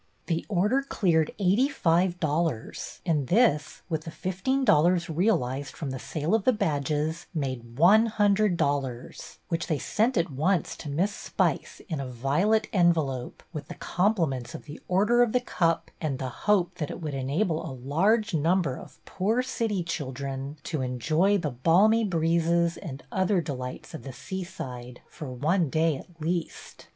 The Order cleared eighty five dollars, and this with the fifteen dollars realized from the sale of badges made one hundred dollars, which they sent at once to Miss Spice in a violet envelope, with the compliments of The Order of The Cup and the hope that it would enable a large number of poor city children to enjoy the balmy breezes and the order of the cup 211 other delights of the seaside for one day at least.